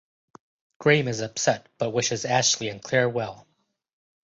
Graeme is upset but wishes Ashley and Claire well.